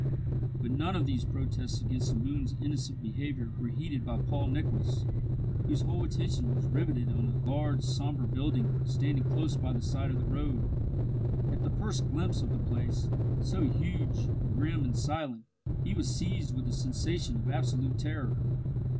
But none of these protests against the moon's innocent behaviour were heeded by Paul Nicholas, whose whole attention was riveted on a large sombre building standing close by the side of the road. At the first glimpse of the place, so huge, grim, and silent, he was seized with a sensation of absolute terror.